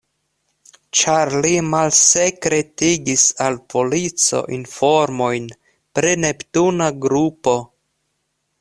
Ĉar li malsekretigis al polico informojn pri Neptuna grupo.